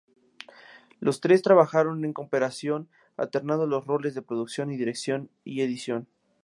Los tres trabajaron en cooperación alternando los roles de producción, dirección y edición.